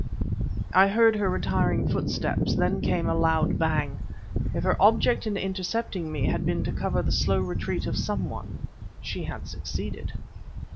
I heard her retiring footsteps; then came a loud bang. If her object in intercepting me had been to cover the slow retreat of some one she had succeeded.